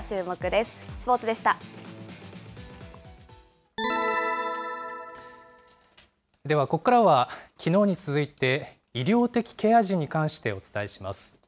ではここからは、きのうに続いて、医療的ケア児に関してお伝えします。